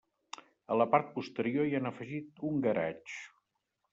A la part posterior hi han afegit un garatge.